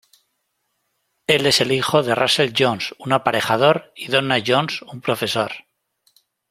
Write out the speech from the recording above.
Él es el hijo de Russell Jones, un aparejador, y Donna Jones, un profesor.